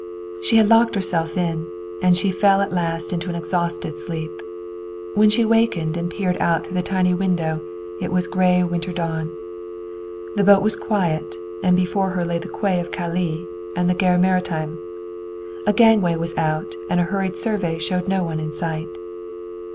She had locked herself in, and she fell at last into an exhausted sleep. When she wakened and peered out through the tiny window it was gray winter dawn. The boat was quiet, and before her lay the quay of Calais and the Gare Maritime. A gangway was out and a hurried survey showed no one in sight.